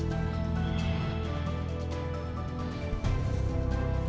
terima kasih banyak